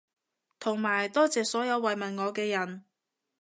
同埋多謝所有慰問我嘅人